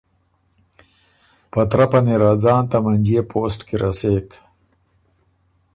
په ترپه ن اِر ا ځان ته منجئے پوسټ کی رسېک۔